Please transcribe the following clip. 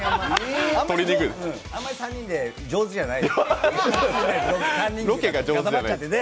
あんまり３人で上手じゃない。